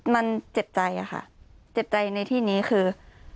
มันเจ็บใจค่ะเจ็บใจในที่นี้คือ